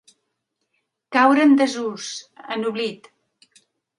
Caure en desús, en oblit.